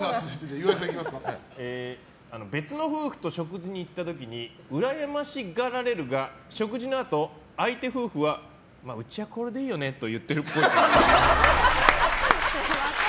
別の夫婦と食事に行った時にうらやましがられるが食事のあと相手夫婦はうちはこれでいいよねと○！